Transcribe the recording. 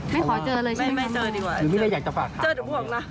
ไม่ขอเจอเลยใช่ไหมคะโมหรือว่าเจอเดี๋ยวพวกเรา